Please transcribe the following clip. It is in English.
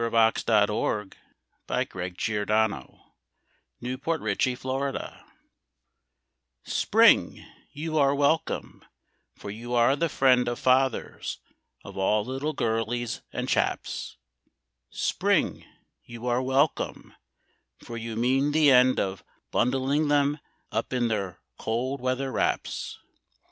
WELCOME TO SPRING Spring, you are welcome, for you are the friend of Fathers of all little girlies and chaps. Spring, you are welcome, for you mean the end of Bundling them up in their cold weather wraps.